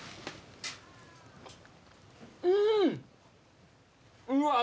うん！